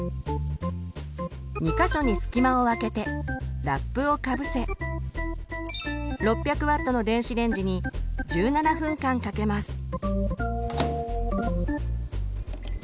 ２か所に隙間をあけてラップをかぶせ６００Ｗの電子レンジに１７分間かけます。